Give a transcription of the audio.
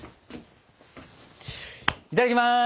いただきます！